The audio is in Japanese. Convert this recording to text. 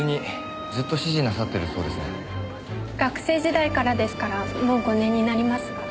学生時代からですからもう５年になりますが。